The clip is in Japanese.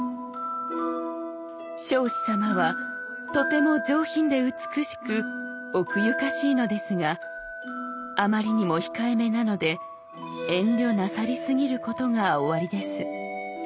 「彰子様はとても上品で美しく奥ゆかしいのですがあまりにも控えめなので遠慮なさりすぎることがおありです」。